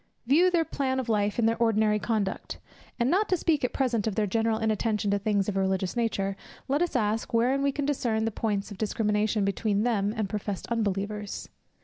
View their plan of life and their ordinary conduct; and not to speak at present of their general inattention to things of a religious nature, let us ask, wherein can we discern the points of discrimination between them and professed unbelievers?